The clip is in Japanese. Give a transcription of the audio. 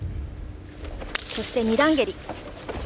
そして、２段蹴り。